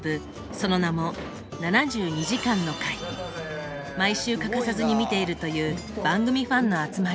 その名も毎週欠かさずに見ているという番組ファンの集まり。